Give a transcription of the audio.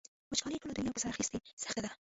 وچکالۍ ټوله دنیا په سر اخیستې سخته ده.